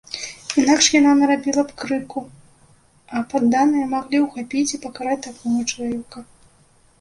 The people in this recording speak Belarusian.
Інакш яна нарабіла б крыку, а падданыя маглі ухапіць і пакараць такога чалавека.